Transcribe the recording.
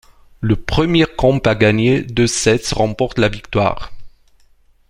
Le premier camp à gagner deux sets remporte la victoire.